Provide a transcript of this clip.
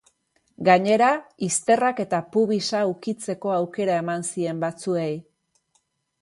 Gainera, izterrak eta pubisa ukitzeko aukera eman zien batzuei.